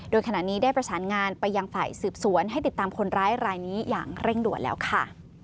โดยขณะนี้ได้ประสานงานไปยังฝ่ายสืบสวนให้ติดตามคนร้ายรายนี้อย่างเร่งด่วนแล้วค่ะ